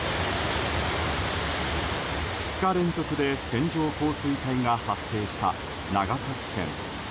２日連続で線状降水帯が発生した長崎県。